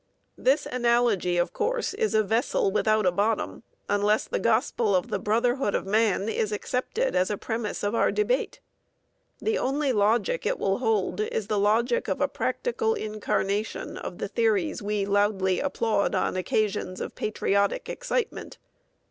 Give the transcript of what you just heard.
This analogy, of course, is a vessel without a bottom unless the gospel of the brotherhood of man is accepted as a premise of our debate. The only logic it will hold is the logic of a practical incarnation of the theories we loudly applaud on occasions of patriotic excitement.